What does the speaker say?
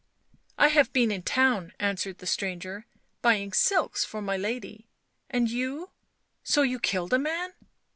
" I have been in the town," answered the stranger, u buying silks for my lady. And you — so you killed a man